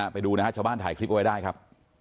ไปดูนะฮะชาวบ้านถ่ายคลิปไว้ได้ครับ